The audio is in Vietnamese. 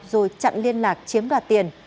rồi chặn liên lạc chiếm đoạt tiền